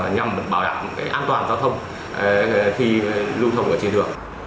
nhằm bảo đảm an toàn giao thông khi lưu thông ở trên đường